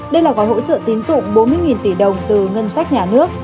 đây là gói hỗ trợ tín dụng bốn mươi tỷ đồng từ ngân sách nhà nước